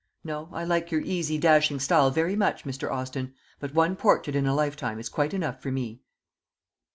No; I like your easy, dashing style very much, Mr. Austin; but one portrait in a lifetime is quite enough for me."